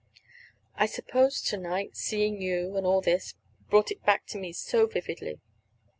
"I suppose to night, seeing you, and all this, brought it back to me so vividly."